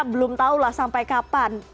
belum tahu lah sampai kapan